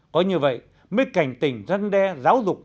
có như vậy mấy cảnh tỉnh dân đe giáo dục